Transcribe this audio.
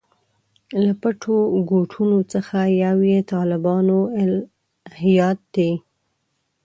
له پټو ګوټونو څخه یو یې طالبانو الهیات دي.